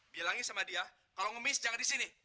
bilangnya sama dia kalau ngemis jangan di sini